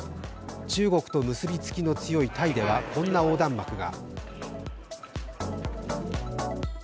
中国と結び付きの強いタイではこんな横断幕が。